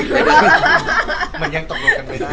มันยังตกลงกันไม่ได้